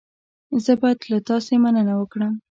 زه باید له تاسې مننه وکړم.